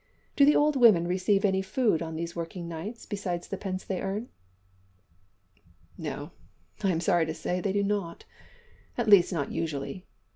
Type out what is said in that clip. Do the old women receive any food on these working nights besides the pence they earn?" "No, I am sorry to say they do not at least not usually.